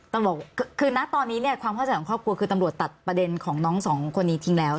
ตำรวจคือนะตอนนี้เนี่ยความเข้าใจของครอบครัวคือตำรวจตัดประเด็นของน้องสองคนนี้ทิ้งแล้ว